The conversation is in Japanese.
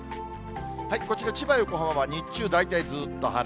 こちら、千葉、横浜は日中、大体ずっと晴れ。